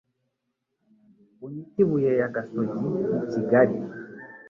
Unyite ibuye ya gasogi kigali